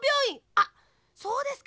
あっそうですか。